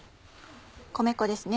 米粉ですね。